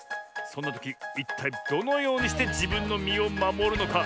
そんなときいったいどのようにしてじぶんのみをまもるのか。